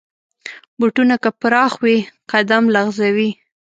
بوټونه که پراخ وي، قدم لغزوي.